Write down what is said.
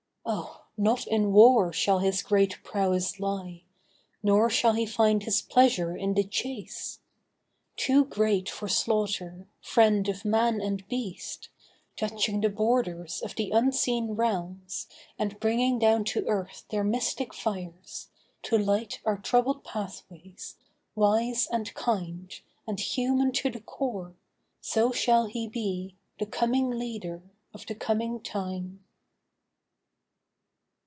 Oh, not in war shall his great prowess lie, Nor shall he find his pleasure in the chase. Too great for slaughter, friend of man and beast, Touching the borders of the Unseen Realms And bringing down to earth their mystic fires To light our troubled pathways, wise and kind And human to the core, so shall he be, The coming leader of the coming time.